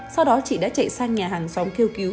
sau đó chị đã chạy sang nhà hàng xóm kêu cứu